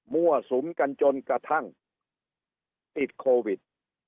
สุมกันจนกระทั่งติดโควิด